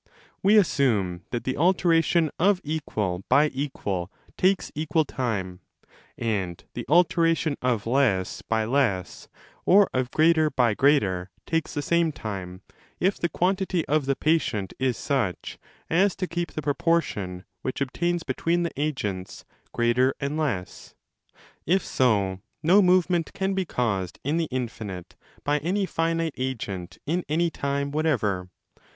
We assume that the alteration of equal by equal takes equal time, and the alteration of less by less or of greater by greater takes the same time, if the quantity of the patient is such as to keep the proportion which obtains between the agents, greater and less. If so, 10 no movement can be caused in the infinite* by any finite agent in any time whatever.